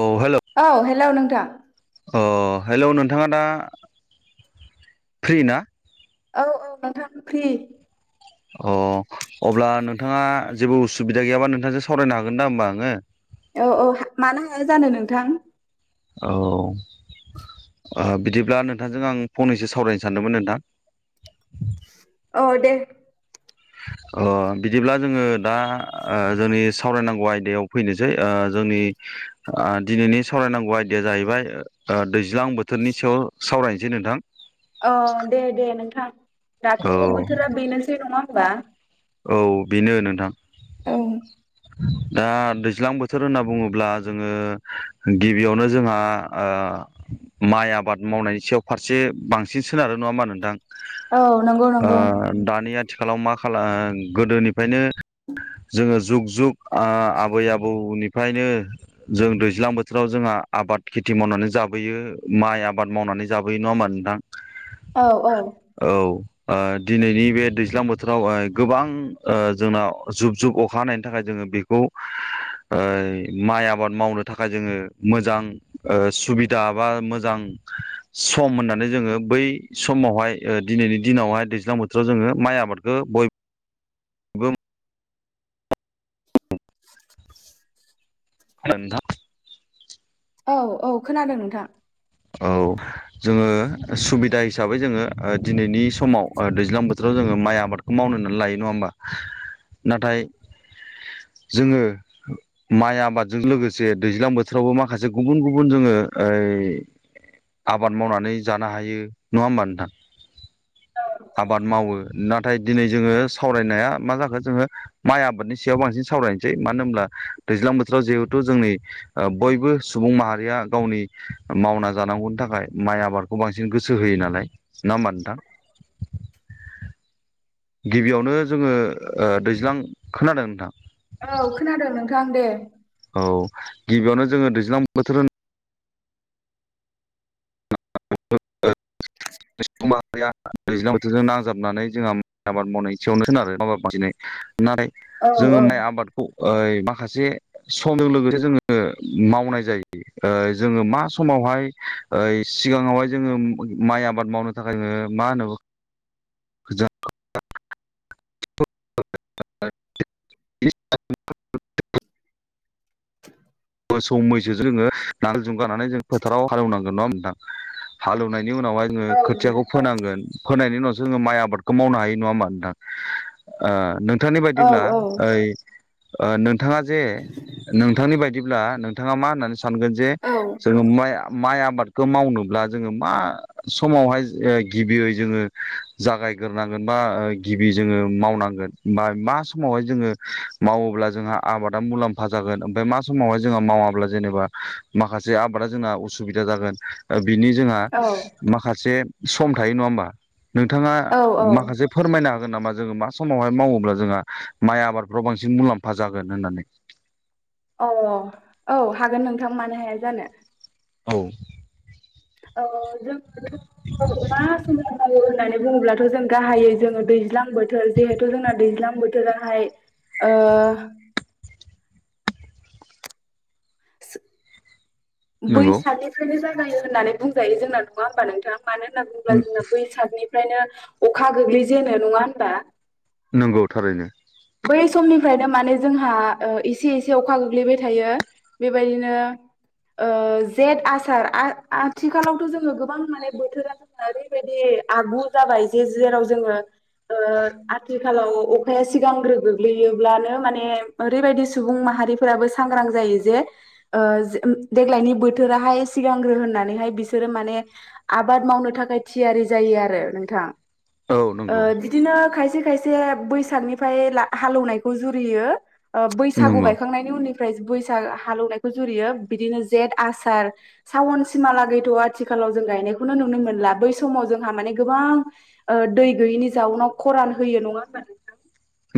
औ हेल' औ हेल' नोंथां अ हेलौ नोंथाङा दा फ्रि ना औ औ नोंथां फ्रि अ अब्ला नोंथाङा जेबो उसुबिदा गैयाबा नोंथांजों सावरायनो हागोन दा होमबा आङो औ औ मानो हाया जानो नोंथां औ ओ बिदिब्ला नोंथांजों आं फंनैसो सावरायनो सानदोंमोन नोंथां औ दे [inaudible] [unintelligible] अ बिदिब्ला जोङो दा ओ जोंनि सावरायनांगौ आयदायाव फैनोसै ओ जोंनि आ दिनैनि सावरायनांगौ आयदाया जाहैबाय दैज्लां बोथोरनि सायाव सावरायनोसै नोंथां औ दे दे नोंथां दाथ' औ बोथोरा बेनोसै नङा होमबा औ बेनो नोंथां औ दा दैज्लां बोथोर होनना बुङोब्ला जोङो गिबियावनो जोंहा ओ माइ आबाद मावनायनि सायाव फारसे बां सिन सोनारो नङा मा नोंथां औ नंगौ ओ नंगौ दानि आथिखालाव मा खालाम गोदोनिफ्रायनो जोङो जुग जुग ओ आबै आबौनि फ्रायनो जों दैज्लां बोथोराव जोंहा आबाद खेथि मावनानै जाबोयो माइ आबाद मावना नै जाबोयो नङामोन नोंथां औ औ औ ओ दिनैनि बे दैज्लां बोथोराव ओ गोबां ओ जोंनाव जुब जुब अखा हानायनि थाखाय जोङो बेखौ ओ माइ आबाद मावनो थाखाय जोङो मोजां ओ सुबिदा बा मोजां सम होननानै जोङो बै समावहाय ओ दिनैनि दिनावहाय दैज्लां बोथोराव जोङो माइ आबादखौ बय गोम [inaudible] [inaudible] [unintelligible] [inaudible] औ औ खोनादों नोंथां औ जोङो सुबिदा हिसाबै जोङो ओ दिनैनि समाव दैज्लां बो जोङो माइ आबादखौ मावनो होननानै लायो नङा होमबा नाथाय जोङो माइ आबादजों लोगोसे दैज्लां बोथोरावबो माखासे गुबुन गुबुन जोङो ओ आबाद मावनानै जानो हायो नङा होमबा नोंथां आबाद मावो नाथाय दिनै जोङो सावरायनाया मा जाखो जोङो माइ आबादनि सायाव बांसिन सावरायनोसै मानो होनब्ला दैज्लां बोथोराव जिहेथु जोंनि ओ बयबो सुबुं माहारिया गावनि मावना जांगौनि थाखाय माइ आबादखौ बांसिन गोसो होयो नालाय नङा होमबा नोंथां गिबियावनो जोङो दैज्लां खोनादों नोंथां औ खोनादों नोंथां दे औ गिबियावनो जोङो दैज्लां बोथोर [unintelligible] [inaudible] दैज्लां बोथोरजों नांजाबनानै जोंहा आबाद मावनाय सेयावनो सोनारो माबा नाथाय औ जोङो औ माइ आबादखौ ओइ माखासे समजों लोगोसे जोङो मावनाय जायो जोङो मा समाव हाय सिगाङावहाय जोङो माइ आबाद मावनो थाखायोङो ओ मा होनो गोजा [unintelligible] [inaudible] मोसौ मैसो जोङो नांगोल जुंजों गनानै जों फोथाराव हालेवनांगोन नङा होनथां हालौवनाय बेनि उनावहाय जोङो औ खोथियाखौ नोंथां फोनांगोन फोनायनि उनावसोङो माइ आबादखौ मावनो हायो नङा होमा नोंथां ओ नों नोंथांनि औ बायदिब्ला औ ओइ नोंथाङा जे नोंथांनि बायदि बिदिब्ला नोंथाङा मा होननानै सानगोन जे औ जोङो माइ माइ आबादखौ मावनोब्ला जोङो मा समावहाय गिबियै जोङो जागाय गोन बा गिबि जोङो मावनांगोन मा समावहाय जोङो मावोब्ला जों आबादा मलामफा जागोन ओमफ्राय मा समावहाइ जोंहा मावब्ला जेनेबा माखासे आबादा जोंहा सुबिदा जागोन बिनि जोंहा औ माखासे सम थायो नङा होमबा नोंथाङा औ औ माखासे फोरमायना जोन नामा जोङो मा समावहाय मावोब्ला जोंहा माइ आबादफ्राव बांसिन मुलाम्फा जागोन होननानै [unintelligible] औ औ हागोन नोंथां मानो हाया जानो औ। आ जों मा समाव मावो होननानै बुङोब्लाथ' जों गाहायै जोङो दैज्लां बोथोर जिहेथु जोंना दैज्लां बोथोर बोथोआहाय आ सु नंगौ बैसनिफ्रायनो जागायो होननानै बुंजायो जोंना नङा ह होनोमबा नोंथां? मानो होनना बुोब्ला जोंना बैसागनिफ्रायनो अखा गोग्लै जेो नङा होनबा? नंगौ थारैनो। बै समनिफ्रायनो माने जोंहा एसे एसे अखा गोग्लैबाय थायो बेबायदिनो जेठ आसार आथिखालावथ' जोङो गोबां माने बोथोरा जोंना ओरैबायदि आगु जाबाय जेराव जोङो आथिखालाव सिगांग्रो गोग्लैयोब्लानो माने ओरैबायदि सुबुं माहारिफोराबो सां ग्रां जायो जे देग्लायनि बोथोराहाय सिगांग्रो होननानैहाय बिसोरो माने आबाद मावनो थाखाय थियारि जायो आरो नोंथां औ ओ नंगौ बिदिनो खाइसे खाइसे बैसागनि हालनायखौ जुरियो बैसागु नंगौ बायखांनायनि उनि बैसाग हालेवनायखौ जुरियो बिदिनो जेथ आसार सावन सिमा लागैथ' आथिखाल जों गायनायखौनो नुनो मोनला बै समाव जोंहा माने गोबां दै गैयैनि जाउनाव खरान होयो नङा होनबा नोंथां??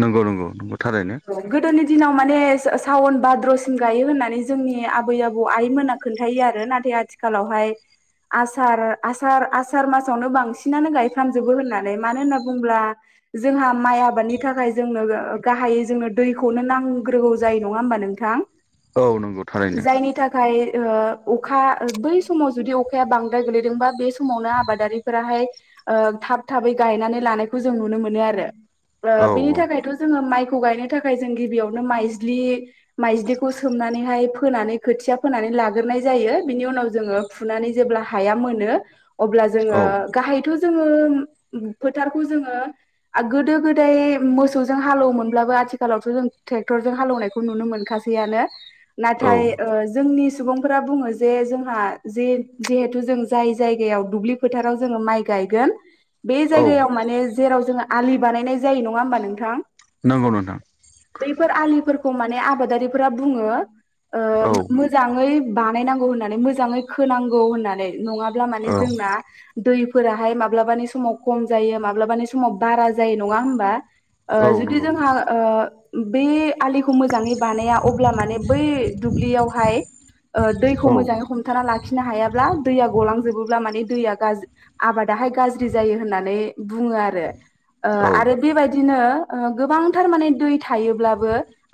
नंगौ नंगौ नंगौ। थारैनो गद'नि दिनाव माने सावन भाद्र'सिम गायो होननानै जोंनि आबै आबौ आइमोना खोन्थायो आरो नाथाय आथिखालावहाय आसार आसार आसार मासावनो बांसिनानो गायफ्रामजोबो होननानै मानो होनना बुङोब्ला जोंहा माइ आबादनि थाखाय जोंनो गाहायै जोंनो दैखौनो नांग्रौ जायो नङा होमबा नोंथां औ नंगौ थारैनो जायनि थाखाय अखा बै समाव जुदि अखाया बांद्राय गोलैदोंबा बे समावनो आबादारिफोराहाय थाब थाबै गायनानै लानायखौ जों नुनो मोनो आरो औ बेनि थाखायथ' जोङो माइ खौ गायनो थाखाय जों गिबियावनो माइज्लि माइज्लिखौ सोमनानैहाय फोनानै खोथिया फोनानै लाग्रोनाय जायो बिनि उनाव जोङो फुनानै जेब्ला हाया मोनो अब्ला औ जोङो गाहायथ' जोंङो फोथारखौ जोंङो गोदो गोदाइ मोसौजों हालौवोमोन। अब्लाबो आथिखालावथ' जों ट्रेक्टर जजों हालौनायखौ नुनो मोनखासैआनो औ नाथाय जोंनि सुबुंफोरा बुङो जे जोंहा जे जिहेथु जों जाय जायगायाव दुब्लि फोथाराव जोङो माइ गायो बे औ जायगायाव माने जेराव जोङो आलि बानायनाय जायो नङा हबा नोंथां? नंगौ नोंथां बैफोर आलिफोरखौ माने आबादारिफोरा बुङो औ मोजाङै बानायनांगौ होननानै मोजाङै खोनांगौ होननानै नङाब्ला माने औ जोंना दैफोराहाय माब्लाबानि समाव खम जायो माब्लाबानि समाव बारा जायो नङा हबा?? औ ओ जुदि नंगौ जोंहा ओ बे आलिखौ मोजाङै बानाया अब्ला माने बै दुब्लियावहाय ओ दैखौ औ मोजाङै हमथाना लाखिनो हायाब्ला दैया गलांजोबो माने दैआ आबादाहाय गाज्रि जायो होननानै बुङो आरो। ओ औ आरो बेबायदिनो ओ गोबां थारमाने दै थायोब्लाबो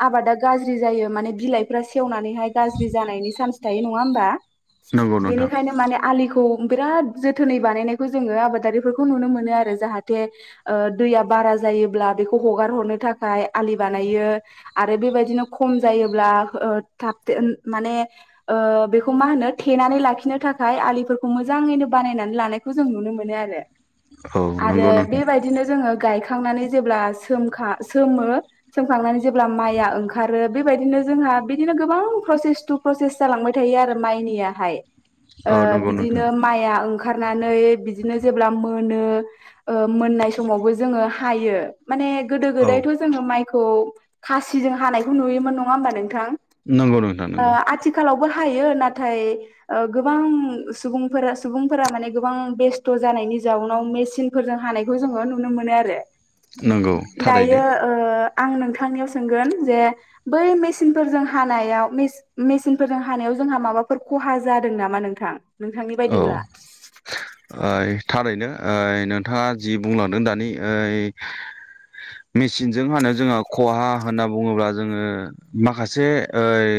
आबादा गाज्रि जायो माने बिलाइफ्रा सेवना नैहाय गाज्रि जानायनि सान्च थायो नङा होमबा? नंगौ नोंथां बेनिखायनो माने आलिखौ बिराद जोथोनै बानायनायखौ जोङो आबादारिफोरखौ नुनो मोनो आरो जाहाथे ओ दैया बारा जायोब्ला बेखौ हगार हरनो था थाखाय आलि बानायो आरो बेबायदिनो खम जायोब्ला ओ थाबथे माने ओ बेखौ मा होनो थेनानै लाखिनो थाखाय आलिफोरखौ मोजाङैनो बानायनानै लानायखौ जों नुनो मो मोनो आरो औ आरो नंगौ नोंथां बेबायदिनो जोङो गायखांनानै जेब्ला सोमखां सोमो सोमखांनानै जेब्ला माइया ओंखारो बेबायदिनो जोंहा बिदिनो गोबां प्रसेसट प्रसेस जालांबाय थायो आरो माइनिया हाय। ओ औ नंगौ नोंथां बिदिनो माया ओं ओंखारनानै बिदिनो जेब्ला मोनो ओ मोननाय समावबो जोङो हायो माने औ गोदोआवथ' जोङो माइखौ खासिजों हानायखौ नुयोमोन नङा होमबा नों थां नंगौ नोंथां ओ नंगौ आथिखालावबो हायो नाथाय गोबां सुबुंफोरा सुबुंफोरा माने गोबां बेस्थ' जानायनि जाउनाव मेसिनफोरजों हानायखौ जोङो नुनो मोनो आरो। नंगौ। दायो थारैनो ओ आं नोंथांनियाव सोंगोन जे बै मेसिनफोरजों हानायाव मेस-मेसिनफोरजों हा याव जोंहा माबाफोर खहा जादों नामा नोंथां नोंथांनि औ बायदिब्ला? ओइ थारैनो ओइ नोंथाङा जि बुंलांदों दानि ओइ मेसिनजों हानो जोंहा खहा होनना बुङोब्ला जोङो माखासे ओइ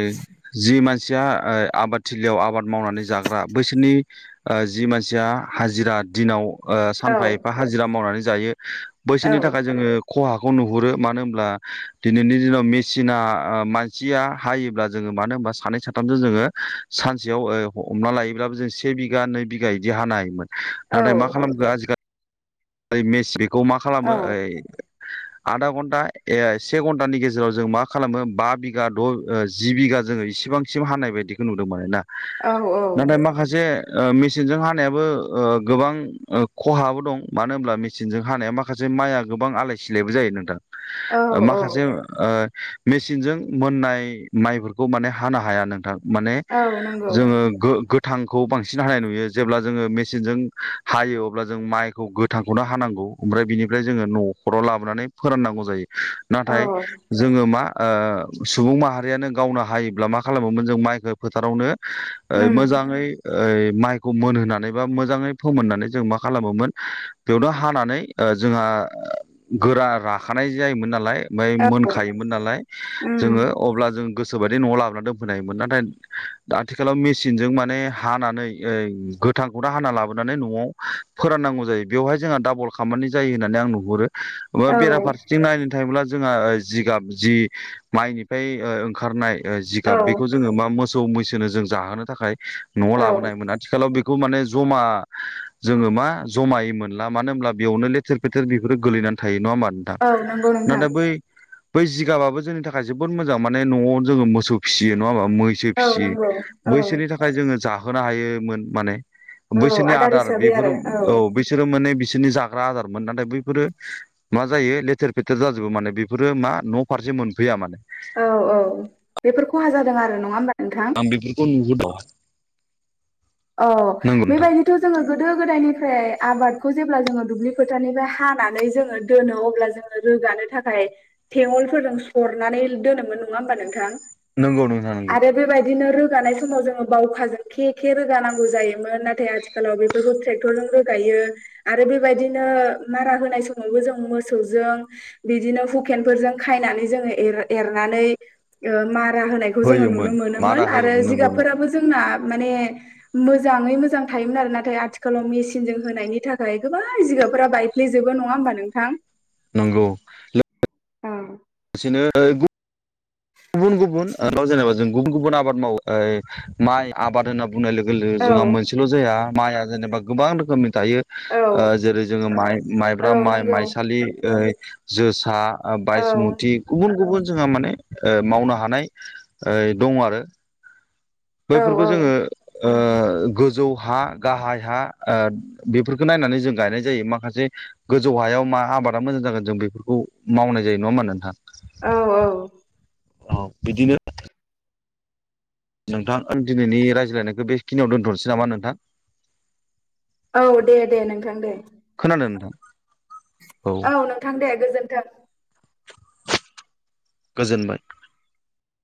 जि मानसिया ओ आबादथिलियाव आबाद मावनानै जाग्रा बैसोरनि ओ जि मानसिया हाजिरा दिनाव ओ औ सानफा एफा हाजिरा मावनानै जायो औ बैसोरनि थाखाय जोङो खहा खौ नुहुरो मानो होनब्ला दिनैनि दिनाव मेसिना ओ मानसिया हायोब्ला जोङो मानो बा सानै साथामजों जोङो सानसेयाव ओ हमना लायोब्लाबो जों से बिघा नै बिघा बिदि हानो हायोमोन। औ नाथाय मा खालामखो आजिखालि ओइ मेस बेखौ मा खालामो औ ओइ आधा घन्टा ए से घन्टानि गेजेराव जों मा खालामो बा बिघा द' ओ जि बिघा जोङो बिबांसिम हानाय बायदिखौ नुदोंमोनोना। औ नाथाय माखासे ओ मेसिनजों हानायाबो ओ गोबां ओ खहाबो दं। मानो होनब्ला मेसिनजों हानाया माखासे माइआ गोबां आलाय सिलायबो जायो नोंथां। औ ओ माखासे ओ मेसिनजों मोननाय माइफोरखौ माने हानो हाया नोंथां माने औ नंगौ जोङो गो गो थांखौ बांसिन हानाय नुयो जेब्ला जोङो मेसिनजों हायो अब्ला जों माइखौ गो थांखौनो हानांगौ ओमफ्राय बिनिफ्राय जोङो न'खराव लाबोनानै फोराननांगौ जायो। औ नाथाय जोङो मा ओ सुबुं माहारियानो गावनो हायोब्ला मा खालामोमोन जों माइखौ फोथारावनो ओ उम मोजाङै ओइ माइखौ मोनहोनानै बा मोजाङै फोमोननानै जों मा खालामोमोन बेयावनो हानानै ओ जोंहा गोरा राखानाय जायोमोन नालाय ओमफ्राय औ मोनखायोमोन नालाय उम जोङो अब्ला जों गोसोबायदि न'आव लाबोनानै दोनफैनायायोमोन नाथाय आथिखालाव मेसिनजों माने हानानै ओइ गोथांखौनो हाना लाबोनानै न'आव फोराननांगौ जायो। बेवहाय जोंहा डाबल खामानि जायो होननानै आं नुहुरो ओ औ बेराफारसेथिं नायनो थांङोब्ला जोंहा जिगाब जि माइनिफ्राय ओ ओंखारनाय ओ जिगाब औ बेखौ जोङो मा मोसौ मैसोनो जों जाहोनो थाखाय न'आव औ लाबोनायोमोन आथिखालाव बेखौ खौ माने जमा जोङो मा जमायै मोन मानो होनब्ला बेयावनो लेथेर फेथेर बेफोरो गोलैनानै थायो नङा होमा नोंथां औ नंगौ नोंथां। नाथाय बै बै जिगाबाबो जोंनि थाखाय जोबोद मोजां माने न'आव जोङो मोसौ फिसियो नङा होनबा। मैसो औ फिसियो नंगौ औ मैसोनि थाखाय जोङो जाहोनो हायोमोन माने औ बैसोरनि आदार हिसाबै बेफोर आरो औ बैस माने बिसोरनि जाग्रा आदारमोन नाथाय बैफोरो मा जायो लेथेर फेथेर जाजोबो माने बेफोरो मा न' फारसे मोनफैया माने औ औ बेफोर खहा जादों आरो नङा होनबा। आं बेफोरखौ नुबोदों अ बे बायदिथ जोङो गोदो गोदायनि फ्राय आबादखौ जेब्ला जोङो दुब्लि खोथानिफ्राय हानानै जोङो दोनो अब्ला जोङो रोगानो थाखाय थेंवलफोरजों सरनानै दोनोमोन नङा होमबा नोंथां। नंगौ नोंथां नंगौ आरो बेबायदिनो रोगानाय समाव जोङो बावखाजों खे खे रो रोगानांगौ जायो मोन नाथाय आथिखालाव बेफोरखौ ट्रेक्टर जों रोगायो आरो बेबायदिनो मा होनाय समावबो जों मोसौ जों बिदिनो हुकेनफोरजों खायनानै जोनानै ऐरनानै मारा होनायखौ जोङो नुनो होयोमोन मोनोमोन मारा आरो होयोमोन नंगौ जिगाबफोराबो जोंना माने मोजाङै मोजां थायोमोन आरो नाथाय आथिखालाव मेसिनजों होनायनि थाखाय गोबां जिगाबफोरा बायफ्लेजोबो नङा होनबा नोंथां नंगौ उम बिसेनो गुबुन गुबुन जेनेबा जों गुबुन गुबुन आबाद मावो माइ आबाद होनोबा बुंनाय लोगो लोगो जोंहा मोनसेल' जाया माइआ जेनेबा गोबां रोखोमनि थायो औ जेरै जोङो माइ औ माइब्रा माइ नंगौ माइसालि जोसा औ बायसमुथि गुबुन गुबुन जोंहा माने ओ मावनो हानाय ओ दं आरो औ बैफोरखौ जोङो औ ओ गोजौ हा गाहाय हा बेफोरखौ नायनानै जों गायनाय जायो माखासे गोजौ हायाव मा आबादा मोजां जागोन जों बेफोरखौ मावनाय जायो नङा होनबा नोंथां। औ औ औ बिदिनो नोंथां आं दिनैनि रायज्लायनायखौ बेखिनियाव दोनथ'नोसै नामा नोंथां। औ दे दे नोंथां दे नोंथां औ नोंथां दे गोजोन्थों गोजोनबाय